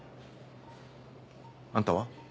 あんたは？